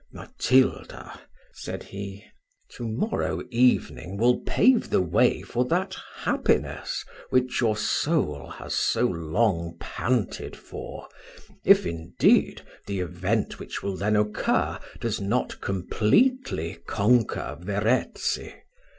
"Matilda," said he, "to morrow evening will pave the way for that happiness which your soul has so long panted for, if, indeed, the event which will then occur does not completely conquer Verezzi.